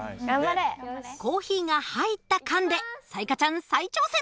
コーヒーが入った缶で彩加ちゃん再挑戦！